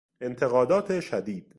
انتقادات شدید